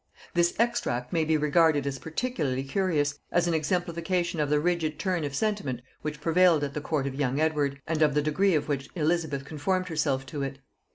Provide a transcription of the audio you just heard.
This extract may be regarded as particularly curious, as an exemplification of the rigid turn of sentiment which prevailed at the court of young Edward, and of the degree in which Elizabeth conformed herself to it.